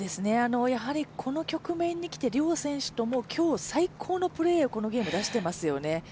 この局面に来て両選手とも今日最高のプレーをこのゲーム出していますよね。